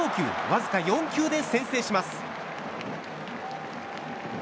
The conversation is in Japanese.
わずか４球で先制します。